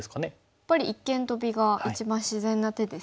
やっぱり一間トビが一番自然な手ですか。